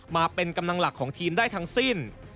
มาเป็นกำลังหลักของทีมได้ทั้งสิ้น